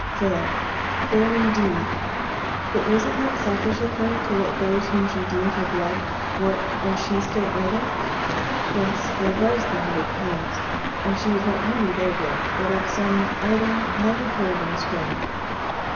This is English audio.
Fair, fair, indeed, but was it not selfish of her to let those whom she deemed her blood, work, and she stay idle? Yes, there was the hundred pounds, and she was not really their blood, but of some idle never toiling strain.